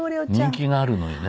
人気があるのよね。